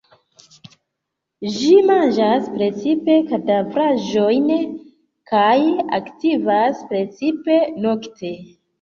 Ĝi manĝas precipe kadavraĵojn kaj aktivas precipe nokte.